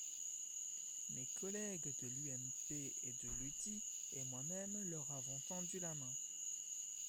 Mes collègues de l’UMP et de l’UDI et moi-même leur avons tendu la main.